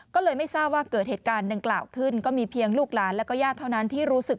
ก็เลยไม่ทราบว่าเกิดเหตุการณ์ดังกล่าวขึ้นก็มีเพียงลูกหลานแล้วก็ญาติเท่านั้นที่รู้สึก